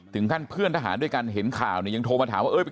ถึงขั้นเพื่อนทหารด้วยกันเห็นข่าวเนี่ยยังโทรมาถามว่าเอ้ย